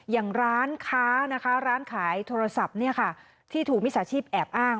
อย่างร้านขายโทรศัพท์ที่ถูกมีศาชีพแอบอ้าง